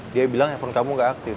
dia bilang handphone kamu gak aktif